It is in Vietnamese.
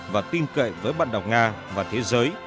và tin cậy với bạn đọc nga và thế giới